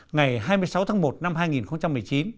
ngày hai mươi sáu tháng một năm hai nghìn một mươi chín